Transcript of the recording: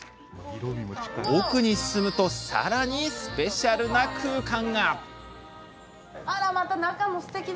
奥に進むとさらにスペシャルな空間が。